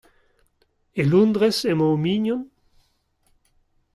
E Londrez emañ o mignon ?